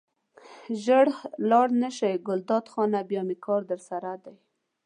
ژر لاړ نه شې ګلداد خانه بیا مې کار درسره دی.